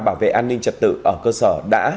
bảo vệ an ninh trật tự ở cơ sở đã